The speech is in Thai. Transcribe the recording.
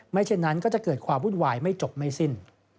เช่นนั้นก็จะเกิดความวุ่นวายไม่จบไม่สิ้น